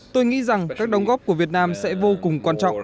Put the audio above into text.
tôi nghĩ rằng các đóng góp của việt nam sẽ vô cùng quan trọng